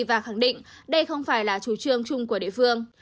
và khẳng định đây không phải là chủ trương chung của địa phương